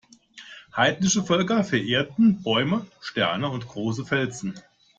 Heidnische Völker verehrten Bäume, Sterne und große Felsen.